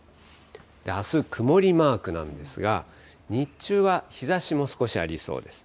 あす曇りマークなんですが、日中は日ざしも少しありそうです。